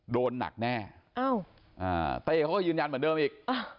โดนหนักแน่เต้เขาก็ยืนยันเหมือนเดิมอีก